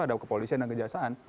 ada kepolisian dan kejaksaan